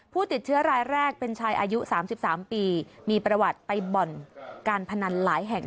ผู้ติดเชื้อรายแรกเป็นชายอายุ๓๓ปีมีประวัติไปบ่อนการพนันหลายแห่ง